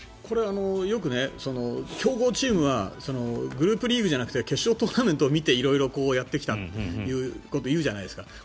よく強豪チームはグループリーグじゃなくて決勝トーナメントを見て色々やってきたっていうことをいうじゃないですか。